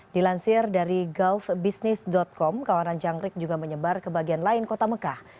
dilansir dari gulf business com kawanan jangkrik juga menyebar ke bagian lain kota mekah